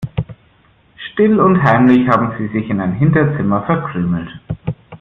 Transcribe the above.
Still und heimlich haben sie sich in ein Hinterzimmer verkrümelt.